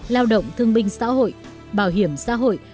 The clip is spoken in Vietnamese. ba mươi hai lao động thương minh xã hội bảo hiểm xã hội